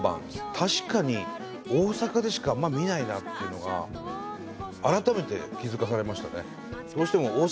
確かに大阪でしかあんま見ないなっていうのが改めて気付かされましたね。